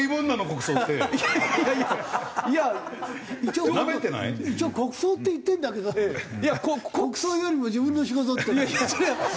一応国葬って言ってるんだけど国葬よりも自分の仕事っていうのは。